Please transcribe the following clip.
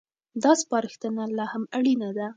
دا سپارښتنه لا هم اړينه ده.